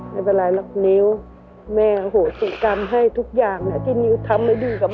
ไม่เป็นไรล่ะคุณนิวแม่โหตุกรรมให้ทุกอย่างที่นิวทำให้ดีกว่าแม่